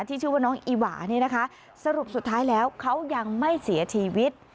ที่ชื่อว่าน้องอิหวาสรุปสุดท้ายแล้วเขายังไม่เสียชีวิต